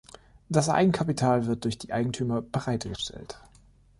Das Eigenkapital wird durch die Eigentümer bereitgestellt.